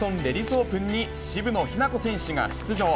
オープンに、渋野日向子選手が出場。